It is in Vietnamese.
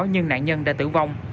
nhưng nạn nhân đã tử vong